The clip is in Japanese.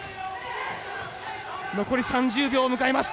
残り３０秒を迎えます。